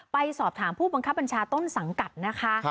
ไปสอบถามผู้บังคับบัญชาต้นสังกัดนะคะ